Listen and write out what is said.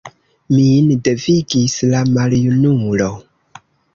Min devigis la maljunulo.